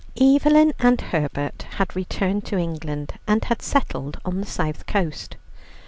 Evelyn and Herbert had returned to England, and had settled on the South Coast.